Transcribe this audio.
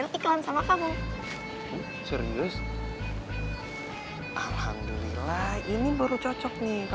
pak sabar ya pak ya